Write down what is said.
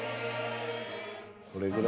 これぐらい。